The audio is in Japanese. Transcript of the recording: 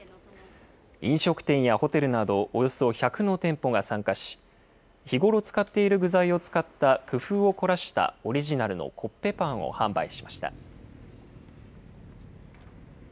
飲食店やホテルなどおよそ１００の店舗が参加し、日頃使っている具材を使った工夫を凝らしたオリジナルのコッペパンを販売しました。